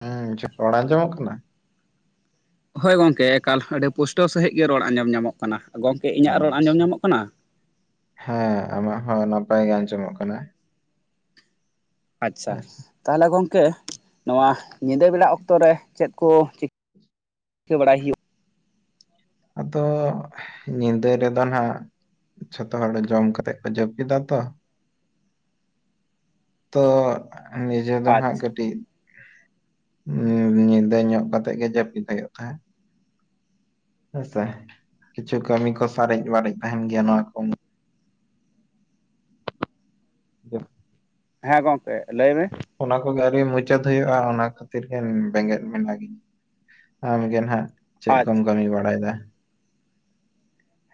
ᱦᱮᱸ ᱨᱚᱲ ᱟᱸᱡᱚᱢᱚᱜ ᱠᱟᱱᱟ? ᱦᱳᱭ ᱜᱚᱢᱠᱮ ᱮᱠᱟᱞ ᱟᱹᱰᱤ ᱯᱩᱥᱴᱟᱹᱣ ᱥᱟᱺᱦᱤᱡ ᱜᱮ ᱨᱚᱲ ᱟᱸᱡᱚᱢ ᱧᱟᱢᱚᱜ ᱠᱟᱱᱟ, ᱜᱚᱢᱠᱮ ᱤᱧᱟᱹᱜ ᱨᱚᱲ ᱟᱸᱡᱚᱢ ᱟᱪᱪᱷᱟ ᱧᱟᱢᱚᱜ ᱠᱟᱱᱟ? ᱦᱮᱸ ᱟᱢᱟᱜ ᱦᱚᱸ ᱱᱟᱯᱟᱭ ᱜᱮ ᱟᱸᱡᱚᱢᱚᱜ ᱠᱟᱱᱟ᱾ ᱟᱪᱪᱷᱟ, ᱦᱮᱸ ᱥᱮ᱾ ᱛᱟᱦᱚᱞᱮ ᱜᱚᱝᱠᱮ ᱱᱚᱣᱟ ᱧᱤᱫᱟᱹ ᱵᱮᱲᱟ ᱚᱠᱛᱚ ᱨᱮ ᱪᱮᱫ ᱠᱚ ᱪᱤ ᱠᱟᱹ ᱵᱟᱲᱟᱭ ᱦᱩᱭᱩᱜ? ᱟᱫᱚ ᱧᱤᱫᱟᱹ ᱨᱮᱫᱚᱱ ᱦᱟᱸᱜ ᱡᱷᱚᱛᱚ ᱦᱚᱲ ᱡᱚᱢ ᱠᱟᱛᱮᱜ ᱠᱚ ᱡᱟᱹᱯᱤᱫᱟ ᱛᱚ᱾ ᱛᱚ ᱱᱤᱡᱮ ᱫᱚᱱ ᱦᱟᱸᱜ ᱟᱪᱪᱷᱟ ᱠᱟᱹᱴᱤᱡ ᱧᱤᱫᱟᱹ ᱧᱚᱜ ᱠᱟᱛᱮᱜ ᱜᱮ ᱡᱟᱹᱯᱤᱫ ᱦᱩᱭᱩᱜ ᱠᱷᱟ᱾ ᱦᱳᱭᱥᱮ, ᱠᱤᱪᱷᱩ ᱠᱟᱹᱢᱤ ᱠᱚ ᱥᱟᱨᱮᱡ ᱵᱟᱨᱮᱡ ᱛᱟᱦᱮᱸᱱ ᱜᱮᱭᱟ ᱱᱚᱣᱟ ᱠᱚᱢ ᱡᱟᱹᱯ ᱦᱮᱸ ᱜᱚᱝᱠᱮ ᱞᱟᱹᱭ ᱢᱮ᱾ ᱚᱱᱟ ᱠᱚᱜᱮ ᱟᱹᱣᱨᱤ ᱢᱩᱪᱟᱹᱫ ᱦᱩᱭᱩᱜᱼᱟ ᱚᱱᱟ ᱠᱷᱟᱹᱛᱤᱨ ᱜᱮ ᱵᱮᱸᱜᱮᱫ ᱢᱮᱱᱟ ᱜᱤᱧ᱾ ᱟᱢᱜᱮᱱ ᱦᱟᱸᱜ ᱪᱮᱫ ᱠᱚᱢ ᱟᱪᱪᱷᱟ ᱠᱟᱹᱢᱤ ᱵᱟᱲᱟᱣ ᱫᱟ?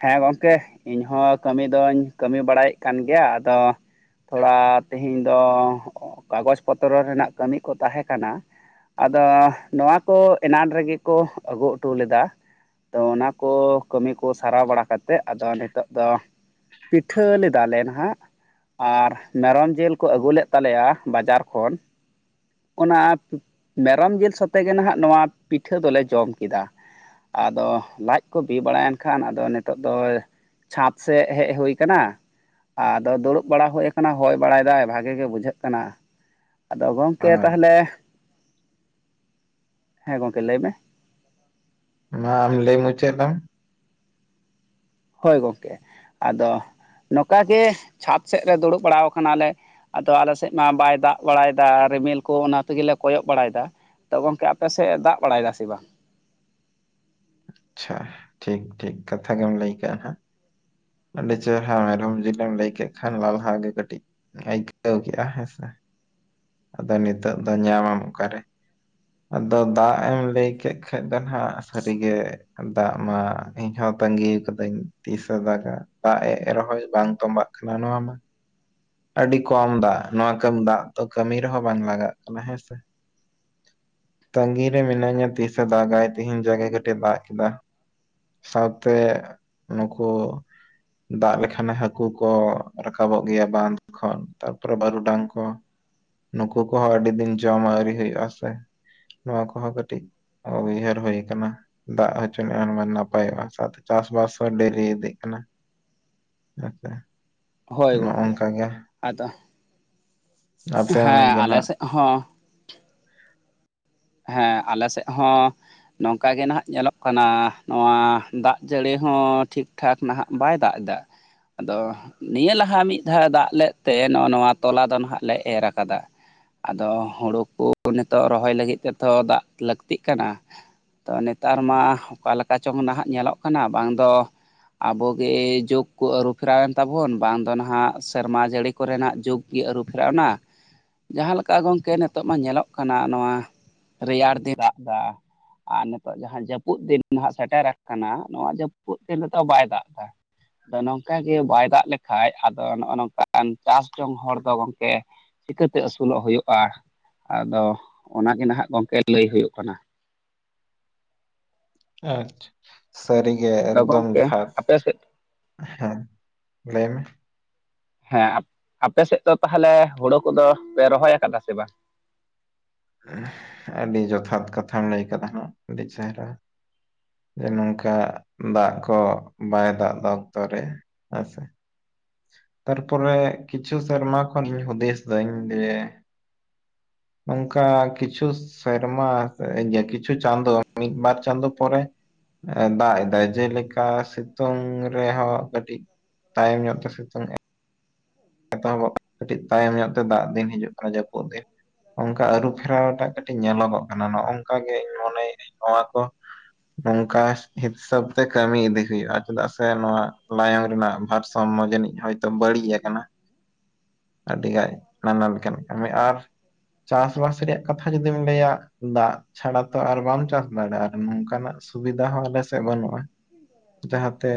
ᱦᱮᱸ ᱜᱚᱝᱠᱮ, ᱤᱧ ᱦᱚᱸ ᱠᱟᱹᱢᱤ ᱫᱚᱧ ᱠᱟᱹᱢᱤ ᱵᱟᱲᱟᱭᱮᱫ ᱠᱟᱱ ᱜᱮᱭᱟ ᱟᱫᱚ ᱛᱷᱚᱲᱟ ᱛᱤᱦᱤᱧ ᱫᱚ ᱠᱟᱜᱚᱡ ᱯᱚᱛᱨᱚ ᱨᱮᱱᱟᱜ ᱠᱟᱹᱢᱤ ᱠᱚ ᱛᱟᱦᱮᱸ ᱠᱟᱱᱟ᱾ ᱟᱫᱚ ᱱᱚᱣᱟ ᱠᱚ ᱮᱱᱟᱱ ᱨᱮᱜᱮ ᱠᱚ ᱟᱹᱜᱩᱜ ᱴᱩ ᱞᱮᱫᱟ᱾ ᱛᱚ ᱚᱱᱟ ᱠᱚ ᱠᱟᱹᱢᱤ ᱠᱚ ᱥᱟᱨᱟᱣ ᱵᱟᱲᱟ ᱠᱟᱛᱮᱫ ᱟᱫᱚ ᱱᱤᱛᱚᱜ ᱫᱚ ᱯᱤᱴᱷᱟᱹ ᱞᱮᱫᱟ ᱞᱮᱱ ᱦᱟᱸᱜ᱾ ᱟᱨ ᱢᱮᱨᱚᱢ ᱡᱤᱞ ᱠᱚ ᱟᱹᱜᱩ ᱞᱮᱫ ᱛᱟᱞᱮᱭᱟ ᱵᱟᱡᱟᱨ ᱠᱷᱚᱱ᱾ ᱚᱱᱟ, ᱢᱮᱨᱚᱢ ᱡᱤᱞ ᱥᱚᱛᱮ ᱜᱮ ᱱᱟᱦᱟᱜ ᱱᱚᱣᱟ ᱯᱤᱴᱷᱟᱹ ᱫᱚᱞᱮ ᱡᱚᱢ ᱠᱮᱫᱟ᱾ ᱟᱫᱚ ᱞᱟᱡ ᱠᱚ ᱵᱤ ᱵᱟᱲᱟᱭᱮᱱ ᱠᱷᱟᱱ ᱟᱫᱚ ᱱᱤᱛᱚᱜ ᱫᱚ ᱪᱷᱟᱸᱫ ᱥᱮᱫ ᱦᱮᱡ ᱦᱩᱭ ᱠᱟᱱᱟ᱾ ᱟᱫᱚ ᱫᱩᱲᱩᱵ ᱵᱟᱲᱟ ᱦᱩᱭ ᱠᱟᱱᱟ ᱦᱚᱭ ᱵᱟᱲᱟᱭ ᱫᱟᱭ ᱵᱷᱟᱜᱮ ᱜᱮ ᱵᱩᱡᱷᱟᱹᱜ ᱠᱟᱱᱟ ᱟᱫᱚ ᱠᱮ ᱟᱨ ᱛᱟᱦᱚᱞᱮ, ᱦᱮᱸ ᱜᱚᱝᱠᱮ ᱞᱟᱹᱭ ᱢᱮ᱾ ᱢᱟ ᱟᱢ ᱞᱟᱹᱭ ᱢᱩᱪᱟᱹᱫ ᱞᱮᱢ᱾ ᱦᱳᱭ ᱜᱚᱝᱠᱮ, ᱟᱫᱚ ᱱᱚᱠᱟ ᱜᱮ ᱪᱷᱟᱫ ᱥᱮᱫ ᱨᱮ ᱫᱩᱲᱩᱵ ᱵᱟᱲᱟᱣ ᱠᱟᱱᱟᱞᱮ᱾ ᱟᱫᱚ ᱟᱞᱮ ᱥᱮᱫ ᱢᱟ ᱵᱟᱭ ᱫᱟᱜ ᱵᱟᱲᱟᱭᱫᱟ ᱨᱤᱢᱤᱞ ᱠᱚ ᱚᱱᱟ ᱛᱤᱜᱤᱞᱮ ᱠᱚᱭᱚᱜ ᱵᱟᱲᱟᱭᱫᱟ᱾ ᱛᱚ ᱜᱚᱝᱠᱮ ᱟᱯᱮ ᱥᱮᱫ ᱮ ᱫᱟᱜ ᱵᱟᱲᱟᱭ ᱫᱟ ᱥᱮ ᱵᱟᱝ? ᱟᱪᱪᱷᱟ, ᱴᱷᱤᱠ ᱴᱷᱤᱠ ᱠᱟᱛᱷᱟ ᱜᱮᱢ ᱞᱟᱹᱭ ᱠᱟᱜ ᱟᱱ ᱦᱟᱸᱜ᱾ ᱟᱹᱰᱤ ᱪᱮᱨᱦᱟ ᱢᱮᱨᱚᱢ ᱡᱤᱞᱮᱢ ᱞᱟᱹᱭ ᱠᱮᱫ ᱠᱷᱟᱱ ᱞᱟᱞᱦᱟ ᱜᱮ ᱠᱟᱹᱴᱤᱡ ᱟᱹᱭᱠᱟᱹᱣ ᱠᱮᱫᱼᱟ ᱦᱮᱸᱥᱮ᱾ ᱟᱫᱚ ᱱᱤᱛᱳᱜ ᱫᱚ ᱧᱟᱢᱟᱢ ᱚᱠᱟᱨᱮ ᱟᱫᱚ ᱫᱟᱜ ᱮᱢ ᱞᱟᱹᱭ ᱠᱮᱫ ᱠᱷᱟ ᱫᱚ ᱦᱱᱟᱜ ᱥᱟᱹᱨᱤᱜᱮ ᱫᱟᱜ ᱢᱟ ᱤᱧ ᱦᱚᱸ ᱛᱟᱸᱜᱤ ᱟᱠᱟᱫᱟᱹᱧ ᱛᱤᱥᱟ ᱫᱟᱜᱟ ᱫᱟᱜ ᱮᱜ ᱨᱚᱦᱚᱭ ᱵᱟᱝ ᱛᱚᱢᱵᱟᱜ ᱠᱟᱱᱟ ᱱᱚᱣᱟ ᱢᱟ ᱟᱹᱰᱤ ᱠᱚᱢ ᱫᱟᱜ ᱱᱚᱣᱟ ᱠᱟᱹᱢ ᱫᱟᱜ ᱫᱚ ᱠᱟᱹᱢᱤ ᱨᱮᱦᱚᱸ ᱵᱟᱝ ᱞᱟᱜᱟᱜ ᱠᱟᱱᱟ ᱦᱮᱸ ᱥᱮ ᱛᱟᱸᱜᱤ ᱨᱮ ᱢᱤᱱᱟᱹᱧᱟ ᱛᱤᱥᱮ ᱫᱟᱜᱟᱭ ᱛᱤᱦᱤᱧ ᱡᱟᱜᱟ ᱠᱟᱹᱴᱤᱡ ᱫᱟᱜ ᱠᱮᱫᱟ ᱥᱟᱶᱛᱮ ᱱᱩᱠᱩ ᱫᱟᱜ ᱞᱮᱠᱷᱟᱱᱮ ᱦᱟᱹᱠᱩ ᱠᱚ ᱨᱟᱠᱟᱵᱚᱜ ᱜᱮᱭᱟ ᱵᱟᱸᱫᱷ ᱠᱷᱚᱱ ᱛᱟᱨᱯᱚᱨᱮ ᱵᱟᱹᱨᱩᱰᱟᱝ ᱠᱚ ᱱᱩᱠᱩ ᱠᱚᱦᱚᱸ ᱟᱹᱰᱤ ᱫᱤᱱ ᱡᱚᱢ ᱟᱣᱨᱤ ᱦᱩᱭᱩᱜ ᱟ ᱥᱮ ᱱᱚᱣᱟ ᱠᱚᱦᱚᱸ ᱠᱟᱴᱤᱡ ᱚ ᱩᱭᱦᱟᱨ ᱦᱳᱭ ᱠᱟᱱᱟ ᱫᱟᱜ ᱦᱚᱪᱚ ᱱᱤᱜᱟᱱ ᱱᱟᱯᱟᱭᱚᱜᱼᱟ ᱥᱟᱶᱛᱮ ᱪᱟᱥᱵᱟᱥ ᱦᱚᱸ ᱰᱮᱨᱤ ᱤᱫᱤᱜ ᱠᱟᱱᱟ [unintelligible] ᱦᱳᱭ ᱜᱚᱝᱠᱮ ᱱᱚᱜᱼᱚᱝᱠᱟ ᱜᱮ ᱟᱫᱚ ᱟᱯᱮ ᱦᱮᱸ ᱜᱮ ᱟᱞᱮ ᱱᱟᱜ ᱥᱮᱫ ᱦᱚᱸ ᱦᱮᱸ ᱟᱞᱮ ᱥᱮᱫ ᱦᱚᱸ ᱱᱚᱝᱠᱟ ᱜᱮ ᱱᱟᱦᱟᱜ ᱧᱮᱞᱚᱜ ᱠᱟᱱᱟ ᱱᱚᱣᱟ ᱫᱟᱜ ᱡᱟᱹᱲᱤ ᱦᱚᱸ ᱴᱷᱤᱠ ᱴᱷᱤᱠ ᱴᱷᱟᱠ ᱱᱟᱦᱟᱜ ᱵᱟᱭ ᱫᱟᱜ ᱮᱫᱟ ᱟᱫᱚ ᱱᱤᱭᱟᱹ ᱞᱟᱦᱟ ᱢᱤᱫ ᱫᱷᱟᱣ ᱫᱟᱜ ᱞᱮᱫ ᱛᱮ ᱱᱚᱜᱚ ᱱᱚᱣᱟ ᱛᱚᱞᱟ ᱫᱚ ᱱᱟᱜ ᱞᱮ ᱮᱨ ᱠᱟᱫᱟ ᱟᱫᱚ ᱦᱩᱲᱩ ᱠᱚ ᱱᱤᱛᱚᱜ ᱨᱚᱦᱚᱭ ᱞᱟᱹᱜᱤᱫ ᱛᱮᱫᱚ ᱫᱟᱜ ᱞᱟᱠᱛᱤᱜ ᱠᱟᱱᱟ ᱛᱚ ᱱᱮᱛᱟᱨ ᱢᱟ ᱚᱠᱟ ᱞᱮᱠᱟ ᱪᱚᱝ ᱱᱟᱦᱟᱜ ᱧᱮᱞᱚᱜ ᱠᱟᱱᱟ ᱵᱟᱝ ᱫᱚ ᱟᱵᱚᱜᱮ ᱡᱩᱜᱽ ᱠᱚ ᱟᱹᱨᱩ ᱯᱷᱮᱨᱟᱣᱮᱱ ᱛᱟᱵᱚᱱ ᱵᱟᱝ ᱫᱚ ᱱᱟᱦᱟᱜ ᱥᱮᱨᱢᱟ ᱡᱟᱹᱲᱤ ᱠᱚᱨᱮᱱᱟᱜ ᱡᱩᱜᱽ ᱜᱮ ᱟᱹᱨᱩ ᱯᱷᱮᱨᱟᱣᱱᱟ, ᱡᱟᱦᱟᱸ ᱞᱮᱠᱟ ᱜᱚᱝᱠᱮ ᱱᱤᱛᱚᱜ ᱢᱟ ᱧᱮᱞᱚᱜ ᱠᱟᱱᱟ ᱱᱚᱣᱟ ᱨᱮᱭᱟᱲ ᱫᱤᱱ ᱨᱟᱜ ᱫᱟ ᱟᱨ ᱱᱤᱛᱚᱜ ᱡᱟᱦᱟᱸ ᱡᱟᱹᱯᱩᱫ ᱫᱤᱱ ᱱᱟᱦᱟᱜ ᱥᱮᱴᱮᱨ ᱟᱠᱟᱱᱟ ᱱᱚᱣᱟ ᱡᱟᱹᱯᱩᱫ ᱫᱤᱱ ᱨᱮᱫᱚ ᱵᱟᱭ ᱫᱟᱜ ᱮᱫᱟ ᱟᱫᱚ ᱱᱚᱝᱠᱟ ᱜᱮ ᱵᱟᱭ ᱫᱟᱜ ᱞᱮᱠᱟᱡ ᱟᱫᱚ ᱱᱚᱜᱼᱚ ᱱᱚᱝᱠᱟᱱ ᱪᱟᱥ ᱡᱚᱝ ᱦᱚᱲ ᱫᱚ ᱜᱚᱝᱠᱮ ᱪᱤᱠᱟᱹᱛᱮ ᱟᱹᱥᱩᱞᱚᱜ ᱦᱳᱭᱳᱜᱼᱟ ᱟᱫᱚ ᱚᱱᱟᱜᱮ ᱱᱟᱦᱟᱜ ᱜᱚᱝᱠᱮ ᱞᱟᱹᱭ ᱦᱳᱭᱳᱜ ᱠᱟᱱᱟ ᱟᱪᱪᱷᱟ, ᱥᱟᱹᱨᱤᱜᱮ ᱟᱫᱚ ᱮᱠᱫᱚᱢ ᱜᱚᱝᱠᱮ ᱡᱚᱛᱷᱟᱛ ᱟᱯᱮ ᱥᱮᱫ ᱦᱮᱸ ᱞᱟᱹᱭ ᱢᱮ ᱦᱮᱸ ᱟᱯᱮ ᱥᱮᱫ ᱫᱚ ᱛᱟᱦᱚᱞᱮ ᱦᱳᱲᱳ ᱠᱚᱫᱚ ᱯᱮ ᱨᱚᱦᱚᱭ ᱟᱠᱟᱫᱟ ᱥᱮ ᱵᱟᱝ ᱟᱹᱰᱤ ᱡᱚᱛᱷᱟᱛ ᱠᱟᱛᱷᱟᱢ ᱞᱟᱹᱭ ᱟᱠᱟᱫᱟ ᱦᱟᱸᱜ ᱟᱹᱰᱤ ᱪᱮᱦᱨᱟ ᱡᱮ ᱱᱚᱝᱠᱟ ᱫᱟᱜ ᱠᱚ ᱵᱟᱭ ᱫᱟᱜ ᱫᱟ ᱚᱠᱛᱚ ᱨᱮ ᱦᱮᱸᱥᱮ ᱛᱟᱨᱯᱚᱨᱮ ᱠᱤᱪᱷᱩ ᱥᱮᱨᱢᱟ ᱠᱷᱚᱱ ᱤᱧ ᱦᱩᱫᱤᱥ ᱫᱟᱹᱧ ᱡᱮ ᱱᱚᱝᱠᱟ ᱠᱤᱪᱷᱩ ᱥᱮᱨᱢᱟ ᱠᱤᱪᱷᱩ ᱪᱟᱸᱫᱳ ᱢᱤᱫ ᱵᱟᱨ ᱪᱟᱸᱫᱳ ᱯᱚᱨᱮ ᱫᱟᱜ ᱮᱫᱟᱭ ᱡᱮᱞᱮᱠᱟ ᱥᱤᱛᱩᱝ ᱨᱮᱦᱚᱸ ᱠᱟᱹᱴᱤᱡ ᱛᱟᱭᱚᱢ ᱧᱚᱜ ᱛᱮ ᱥᱤᱛᱩᱝ ᱮᱜ ᱮᱛᱚᱦᱚᱵ ᱠᱟᱹᱴᱤᱡ ᱛᱟᱭᱚᱢ ᱧᱚᱜ ᱛᱮ ᱫᱟᱜ ᱫᱤᱱ ᱦᱤᱡᱩᱜ ᱠᱟᱱᱟ ᱡᱟᱹᱯᱩᱫ ᱫᱤᱱ ᱚᱱᱠᱟ ᱟᱹᱨᱩ ᱯᱷᱮᱨᱟᱣ ᱴᱟᱜ ᱠᱟ ᱴᱤᱡ ᱧᱮᱞᱚᱜᱚᱜ ᱠᱟᱱᱟ ᱱᱚᱜᱼᱚ ᱱᱚᱝᱠᱟ ᱜᱮ ᱤᱧ ᱢᱚᱱᱮᱭᱮᱫᱤᱧ ᱱᱚᱣᱟ ᱠᱚ ᱱᱚᱝᱠᱟ ᱦᱤᱥᱟᱹᱵ ᱛᱮ ᱠᱟᱹᱢᱤ ᱤᱫᱤ ᱦᱩᱭᱩᱜᱼᱟ ᱪᱮᱫᱟᱜ ᱥᱮ ᱱᱚᱣᱟ ᱞᱟᱭᱚᱝ ᱨᱮᱱᱟᱜ ᱵᱷᱟᱨ ᱥᱟᱢᱢᱚ ᱡᱟᱹᱱᱤᱡ ᱦᱳᱭᱛᱳ ᱵᱟᱹᱲᱤᱡ ᱟᱠᱟᱱᱟ ᱟᱹᱰᱤᱜᱟᱡ ᱱᱟᱱᱟ ᱞᱮᱠᱟᱱ ᱠᱟᱹᱢᱤ ᱟᱨ ᱪᱟᱥᱵᱟᱥ ᱨᱮᱭᱟᱜ ᱠᱟᱛᱷᱟ ᱡᱩᱫᱤᱢ ᱞᱟᱹᱭᱟ ᱫᱟᱜ ᱪᱷᱟᱲᱟ ᱛᱚ ᱟᱨ ᱵᱟᱢ ᱪᱟᱥ ᱫᱟᱲᱮᱭᱟᱜᱼᱟ ᱟᱨ ᱱᱚᱝᱠᱟᱱᱟᱜ ᱥᱩᱵᱤᱫᱟ ᱦᱚᱸ ᱟᱞᱮᱥᱮᱫ ᱵᱟᱹᱱᱩᱜᱼᱟ ᱡᱟᱦᱟᱸ ᱛᱮ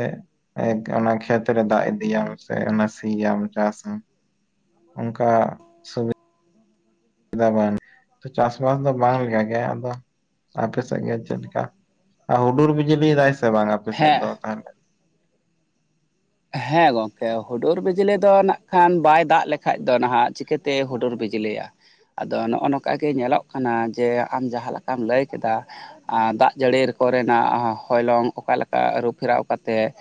ᱚᱱᱟ ᱠᱷᱮᱛᱨᱮ ᱫᱟᱜ ᱤᱫᱤᱭᱟᱢ ᱥᱮ ᱥᱤᱭᱟᱢ ᱪᱟᱥ ᱚᱱᱠᱟ ᱥᱩᱵᱤ ᱫᱟ ᱵᱟᱝ, ᱪᱟᱥᱵᱟᱥ ᱫᱚ ᱵᱟᱝ ᱞᱮᱠᱟ ᱜᱮ, ᱟᱫᱚ ᱟᱯᱮ ᱥᱮᱫᱜᱮ ᱪᱮᱫ ᱞᱮᱠᱟ ᱟᱨ ᱦᱩᱰᱩᱨ ᱵᱤᱡᱽᱞᱤ ᱫᱟᱭ ᱥᱮ ᱵᱟᱝ ᱟᱯᱮ ᱥᱮᱫ ᱦᱮᱸ ᱫᱚ ᱛᱟᱦᱚᱞᱮ ᱦᱮᱸ ᱜᱚᱝᱠᱮ ᱦᱩᱰᱩᱨ ᱵᱤᱡᱽᱞᱤ ᱫᱚ ᱱᱟᱜ ᱠᱷᱟᱱ ᱵᱟᱭ ᱫᱟᱜ ᱞᱮᱠᱷᱟᱡ ᱫᱚ ᱱᱟᱦᱟᱜ ᱪᱤᱠᱟᱹᱛᱮ ᱦᱩᱰᱩᱨ ᱵᱤᱡᱽᱞᱤᱭᱟ ᱟᱫᱚ ᱱᱚᱜᱼᱚ ᱱᱚᱝᱠᱟ ᱜᱮ ᱧᱮᱞᱚᱜ ᱠᱟᱱᱟ ᱡᱮ ᱟᱢ ᱡᱟᱦᱟᱸ ᱞᱮᱠᱟᱢ ᱞᱟᱹᱭ ᱠᱮᱫᱟ ᱫᱟᱜ ᱡᱟᱹᱲᱤ ᱠᱚᱨᱮᱱᱟᱜ ᱦᱚᱭᱞᱚᱝ ᱚᱠᱟ ᱞᱮᱠᱟ ᱟᱹᱨᱩᱯᱷᱮᱨᱟᱣ ᱠᱟᱛᱮᱫ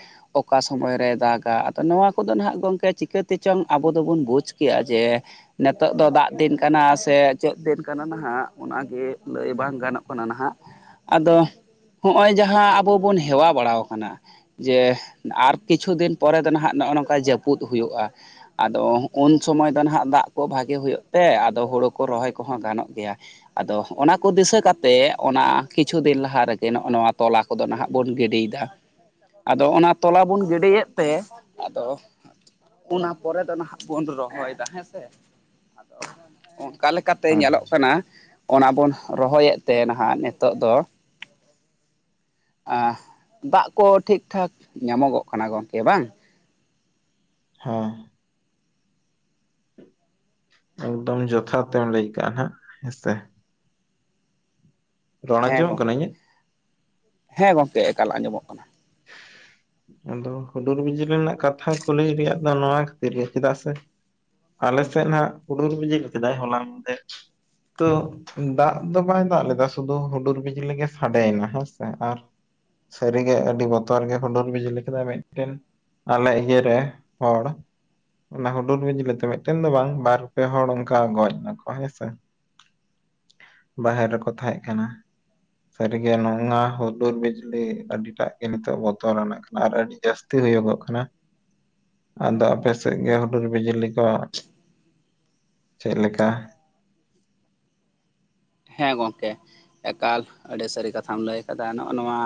ᱚᱠᱟ ᱥᱚᱢᱚᱭ ᱨᱮ ᱫᱟᱜᱟ ᱟᱫᱚ ᱱᱚᱣᱟ ᱠᱚᱫᱚ ᱱᱟᱦᱟᱜ ᱜᱚᱝᱠᱮ ᱪᱤᱠᱟᱹᱛᱮ ᱪᱚᱝ ᱟᱵᱚ ᱫᱚᱵᱚᱱ ᱵᱩᱡᱽ ᱠᱮᱜ-ᱟ ᱡᱮ ᱱᱤᱛᱚᱜ ᱫᱚ ᱫᱟᱜ ᱫᱤᱱ ᱠᱟᱱᱟ ᱥᱮ ᱪᱮᱫ ᱫᱤᱱ ᱠᱟᱱᱟ ᱱᱟᱦᱟᱜ ᱚᱱᱟᱜᱮ ᱞᱟᱹᱭ ᱵᱟᱝ ᱜᱟᱱᱚᱜ ᱠᱟᱱᱟ ᱱᱟᱦᱟᱜ ᱾ ᱟᱫᱚ ᱦᱚᱸᱜ-ᱚᱭ ᱡᱟᱦᱟᱸ ᱟᱵᱚ ᱵᱚᱱ ᱦᱮᱣᱟ ᱵᱟᱲᱟ ᱠᱟᱱᱟ ᱡᱮ ᱟᱨ ᱠᱤᱪᱷᱩ ᱫᱤᱱ ᱯᱚᱨᱮ ᱫᱚ ᱱᱟᱦᱟᱜ ᱱᱚᱜᱼᱚ ᱱᱚᱝᱠᱟ ᱡᱟᱹᱯᱩᱫ ᱦᱩᱭᱩᱜᱼᱟ᱾ ᱟᱫᱚ ᱩᱱ ᱥᱚᱢᱚᱭ ᱫᱚ ᱱᱟᱦᱟᱜ ᱫᱟᱜ ᱠᱚ ᱵᱷᱟᱜᱮ ᱦᱩᱭᱩᱜ ᱛᱮ ᱟᱫᱚ ᱦᱩᱲᱩ ᱠᱚ ᱨᱚᱦᱚᱭ ᱠᱚᱦᱚᱸ ᱜᱟᱱᱚᱜ ᱜᱮᱭᱟ᱾ ᱟᱫᱚ ᱚᱱᱟ ᱠᱚ ᱫᱤᱥᱟᱹ ᱠᱟᱛᱮ ᱚᱱᱟ ᱠᱤᱪᱷᱩ ᱫᱤᱱ ᱞᱟᱦᱟ ᱨᱮᱜᱮ ᱱᱚᱜᱼᱚ ᱱᱚᱣᱟ ᱛᱚᱞᱟ ᱠᱚᱫᱚ ᱱᱟᱦᱟᱜ ᱵᱚᱱ ᱜᱤᱰᱤᱭᱮᱫᱟ, ᱟᱫᱚ ᱚᱱᱟ ᱛᱚᱞᱟ ᱵᱚᱱ ᱜᱤᱰᱤᱭᱮᱫ ᱛᱮ ᱟᱫᱚ ᱚᱱᱟ ᱯᱚᱨᱮ ᱫᱚ ᱱᱟᱦᱟᱜ ᱵᱚᱱ ᱨᱚᱦᱚᱭᱫᱟ ᱦᱮᱸᱥᱮ ᱾ ᱚᱱᱠᱟ ᱞᱮᱠᱟᱛᱮ ᱟᱪᱪᱷᱟ ᱧᱮᱞᱚᱜ ᱠᱟᱱᱟ ᱾ ᱚᱱᱟ ᱵᱚᱱ ᱨᱚᱦᱚᱭᱮᱫ ᱛᱮ ᱱᱟᱦᱟᱜ ᱱᱤᱛᱚᱜ ᱫᱚ ᱫᱟᱜ ᱠᱚ ᱴᱷᱤᱠᱼᱴᱷᱟᱠ ᱧᱟᱢᱚᱜᱚᱜ ᱠᱟᱱᱟ ᱜᱚᱝᱠᱮ ᱵᱟᱝ ᱦᱚᱭ ᱮᱠᱫᱚᱢ ᱡᱚᱛᱷᱟᱛ ᱛᱮᱢ ᱞᱟᱹᱭ ᱠᱟ ᱱᱟᱦᱟᱜ ᱦᱮᱸᱥᱮ ᱨᱚᱲ ᱦᱮᱸ ᱟᱸᱡᱚᱢᱚᱜ ᱜᱚᱢᱠᱮ ᱠᱟᱱᱟ ᱤᱧᱟᱹᱜ ᱦᱮᱸ ᱜᱚᱝᱠᱮ ᱮᱠᱟᱞ ᱟᱸᱡᱚᱢᱚᱜ ᱠᱟᱱᱟ᱾ [inaudible] ᱟᱫᱚ ᱦᱩᱰᱩᱨ ᱵᱤᱡᱽᱞᱤ ᱨᱮᱱᱟᱜ ᱠᱟᱛᱷᱟ ᱠᱩᱞᱤ ᱨᱮᱭᱟᱜ ᱫᱚ ᱱᱚᱣᱟ ᱠᱷᱟᱹᱛᱤᱨ ᱜᱮ ᱪᱮᱫᱟᱜ ᱥᱮ, ᱟᱞᱮᱥᱮᱫ ᱦᱟᱸᱜ ᱦᱩᱰᱩᱨ ᱵᱤᱡᱽᱞᱤ ᱠᱮᱫᱟᱭ ᱦᱚᱞᱟ ᱢᱟᱫᱷᱮᱨ ᱛᱚ ᱫᱟᱜ ᱫᱚ ᱵᱟᱭ ᱫᱟᱜ ᱞᱮᱫᱟ ᱥᱩᱫᱷᱩ ᱦᱩᱰᱩᱨ ᱵᱤᱡᱽᱞᱤ ᱜᱮ ᱥᱟᱰᱮᱭᱮᱱᱟ ᱦᱮᱸᱥᱮ ᱟᱨ ᱥᱟᱹᱨᱤ ᱜᱮ [unintelligible] ᱟᱹᱰᱤ ᱵᱚᱛᱚᱨ ᱜᱮ ᱠᱷᱩᱰᱩᱨ ᱵᱤᱡᱽᱞᱤ ᱠᱮᱫᱟ ᱢᱤᱫᱴᱮᱱ ᱟᱞᱮ ᱤᱭᱟᱹ ᱨᱮ ᱦᱚᱲ ᱚᱱᱟ ᱦᱩᱰᱩᱨ ᱵᱤᱡᱽᱞᱤ ᱛᱮ ᱢᱤᱫᱴᱮᱱ ᱫᱚ ᱵᱟᱝ ᱵᱟᱨ ᱯᱮ ᱦᱚᱲ ᱚᱱᱠᱟ ᱜᱚᱡ ᱱᱟᱠᱚ ᱦᱮᱸᱥᱮ᱾ ᱵᱟᱦᱮᱨ ᱨᱮᱠᱚ ᱛᱟᱦᱮᱸᱜ ᱠᱟᱱᱟ᱾ ᱥᱟᱹᱨ ᱜᱮ ᱩᱱᱟ ᱦᱩᱫᱩᱨ ᱵᱤᱡᱽᱞᱤ ᱟᱰᱤ ᱴᱟᱜ ᱱᱤᱛᱚᱜ ᱵᱚᱛᱚᱨ ᱟᱱᱟᱜ ᱠᱟᱱᱟ ᱟᱨ ᱟᱹᱰᱤ ᱡᱟᱹᱥᱛᱤ ᱦᱩᱭᱩᱜᱚᱜ ᱠᱟᱱᱟ᱾ ᱟᱫᱚ ᱟᱯᱮ ᱥᱮᱫ ᱜᱮ ᱦᱩᱰᱩᱨ ᱵᱤᱡᱽᱞᱤ ᱠᱚ ᱪᱮᱫᱞᱮᱠᱟ᱾ ᱦᱮᱸ ᱜᱚᱢᱠᱮ ᱮᱠᱟᱞ ᱟᱹᱰᱤ ᱥᱟᱹᱨᱤ ᱠᱟᱛᱷᱟᱢ ᱞᱟᱹᱭ ᱟᱠᱟᱫᱟ ᱱᱚᱜ ᱱᱚᱣᱟ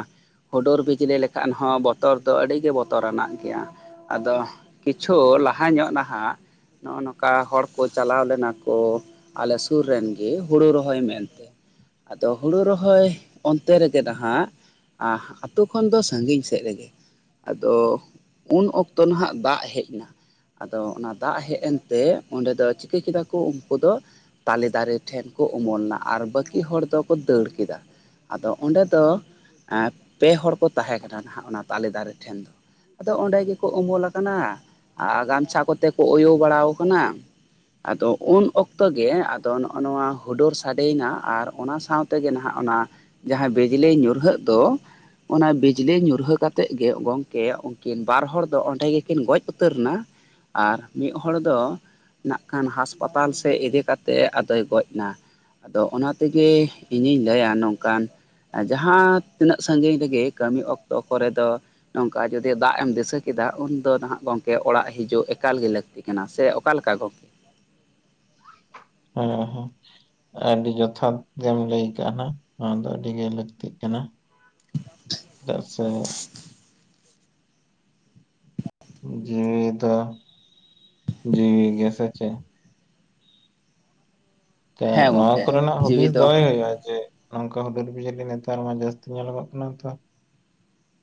ᱦᱩᱰᱩᱨ ᱵᱤᱡᱽᱞᱤ ᱞᱮᱠᱷᱟᱱ ᱦᱚᱸ ᱵᱚᱛᱚᱨ ᱫᱚ ᱟᱹᱰᱤ ᱜᱮ ᱵᱚᱛᱚᱨᱟᱱᱟᱜ ᱜᱮᱭᱟ ᱾ ᱟᱫᱚ ᱠᱤᱪᱷᱩ ᱞᱟᱦᱟ ᱧᱚᱜ ᱱᱟᱦᱟᱜ ᱾ ᱱᱚᱜᱼᱚ ᱱᱚᱠᱟ ᱦᱚᱲ ᱠᱚ ᱪᱟᱞᱟᱣ ᱞᱮᱱᱟ ᱠᱚ ᱟᱞᱮ ᱥᱩᱨ ᱨᱮᱱ ᱜᱮ ᱦᱩᱲᱩ ᱨᱚᱦᱚᱭ ᱢᱮ [inaudible] ᱟᱫᱚ ᱦᱩᱲᱩ ᱨᱚᱦᱚᱭ ᱚᱱᱛᱮ ᱨᱮᱜᱮ ᱱᱟᱦᱟᱜ ᱟᱛᱳ ᱠᱷᱚᱱ ᱫᱚ ᱥᱟᱹᱜᱤᱧ ᱥᱮᱫ ᱨᱮᱜᱮ ᱾ ᱟᱫᱚ ᱩᱱ ᱚᱠᱛᱚ ᱱᱟᱦᱟᱜ ᱫᱟᱜ ᱦᱮᱡ ᱱᱟ, ᱟᱫᱚ ᱚᱱᱟ ᱫᱟᱜ ᱦᱮᱡ ᱮᱱᱛᱮ ᱚᱸᱰᱮ ᱫᱚ ᱪᱤᱠᱟᱹ ᱠᱮᱫᱟ ᱠᱚ ᱩᱱᱠᱩ ᱫᱚ, ᱛᱟᱞᱮ ᱫᱟᱨᱮ ᱴᱷᱮᱱ ᱠᱚ ᱩᱢᱩᱞᱱᱟ ᱟᱨ ᱵᱟᱹᱠᱤ ᱦᱚᱲ ᱫᱚᱠᱚ ᱫᱟᱹᱲ ᱠᱮᱫᱟ ᱾ ᱟᱫᱚ ᱚᱸᱰᱮ ᱫᱚ [inaudible] ᱯᱮ ᱦᱚᱲ ᱠᱚ ᱛᱟᱦᱮᱸ ᱠᱟᱱᱟ ᱱᱟᱦᱟᱜ ᱚᱱᱟ ᱛᱟᱞᱮ ᱫᱟᱨᱮ ᱴᱷᱮᱱ ᱫᱚ ᱾ ᱟᱫᱚ ᱚᱸᱰᱮ ᱜᱮᱠᱚ ᱩᱢᱩᱞ ᱟᱠᱟᱱᱟ ᱟᱨ ᱜᱟᱢᱪᱷᱟ ᱠᱚᱛᱮ ᱠᱚ ᱚᱭᱳ ᱵᱟᱲᱟ ᱟᱠᱟᱱᱟ, ᱟᱫᱚ ᱩᱱ ᱚᱠᱛᱚ ᱜᱮ ᱟᱫᱚ ᱱᱚᱜᱼᱱᱚᱣᱟ ᱦᱩᱰᱩᱨ ᱥᱟᱰᱮᱭᱱᱟ ᱟᱨ ᱚᱱᱟ ᱥᱟᱶᱛᱮᱜᱮ ᱱᱟᱦᱟᱜ ᱚᱱᱟ ᱡᱟᱦᱟᱸ ᱵᱤᱡᱽᱞᱤ ᱧᱩᱨᱦᱟᱹᱜ ᱫᱚ, ᱚᱱᱟ ᱵᱤᱡᱽᱞᱤ ᱧᱩᱨᱦᱟᱹ ᱠᱟᱛᱮᱜ ᱜᱮ ᱜᱚᱢᱠᱮ ᱩᱱᱠᱤᱱ ᱵᱟᱨ ᱦᱚᱲ ᱫᱚ ᱚᱸᱰᱮ ᱜᱮᱠᱤᱱ ᱜᱚᱡ ᱩᱛᱟᱹᱨ ᱟᱨ ᱢᱤᱫ ᱦᱚᱲ ᱫᱚ ᱱᱟᱜ ᱠᱷᱟᱱ ᱦᱟᱥᱯᱟᱛᱟᱞ ᱥᱮᱫ ᱤᱫᱤ ᱠᱟᱛᱮᱜ ᱟᱫᱚᱭ ᱜᱚᱡ ᱱᱟ᱾ ᱟᱫᱚ ᱚᱱᱟ ᱛᱮᱜᱮ ᱤᱧᱤᱧ ᱞᱟᱹᱭᱟ ᱱᱚᱝᱠᱟᱱ, ᱡᱟᱦᱟᱸ ᱛᱤᱱᱟᱹᱜ ᱥᱟᱺᱜᱤᱧ ᱨᱮᱜᱮ ᱠᱟᱹᱢᱤ ᱚᱠᱛᱚ ᱠᱚᱨᱮ ᱫᱚ, ᱱᱚᱝᱠᱟ ᱡᱩᱫᱤ ᱫᱟᱜ ᱮᱢ ᱫᱤᱥᱟᱹ ᱠᱮᱫᱟ ᱩᱱᱫᱚ ᱱᱟᱦᱟᱜ ᱜᱚᱝᱠᱮ ᱚᱲᱟᱜ ᱦᱤᱡᱩᱜ ᱮᱠᱟᱞ ᱜᱮ ᱞᱟᱹᱠ ᱛᱤ ᱠᱟᱱᱟ ᱥᱮ ᱚᱠᱟ ᱞᱮᱠᱟ ᱜᱚᱝᱠᱮ ᱾ ᱦᱮᱸ ᱦᱮᱸ ᱟᱹᱰᱤ ᱡᱚᱛᱷᱟᱛ ᱜᱮᱢ ᱞᱟᱹᱭ ᱠᱟᱜ ᱱᱟᱝ ᱱᱚᱣᱟ ᱫᱚ ᱟᱹᱰᱤ ᱜᱮ ᱞᱟᱹᱠᱛᱤᱜ ᱠᱟᱱᱟ ᱾ ᱪᱮᱫᱟᱜ ᱥᱮ ᱡᱤᱣᱤ ᱫᱚ ᱡᱤᱣᱤ ᱜᱮ ᱥᱮ ᱪᱮᱫ? ᱦᱮᱸ ᱱᱚᱣᱟ ᱜᱚᱝᱠᱮ ᱠᱚᱨᱮᱱᱟᱜ ᱡᱤᱣᱤ ᱦᱩᱫᱤᱥ ᱫᱚ ᱫᱚᱦᱚᱭ ᱦᱩᱭᱩᱜᱼᱟ ᱡᱮ ᱱᱚᱝᱠᱟ ᱦᱩᱫᱩᱨ ᱵᱤᱡᱽᱞᱤ ᱱᱮᱛᱟᱨ ᱢᱟ ᱡᱟᱹᱥᱛᱤ ᱧᱮᱞᱚᱜ ᱠᱟᱱᱟ ᱛᱚ᱾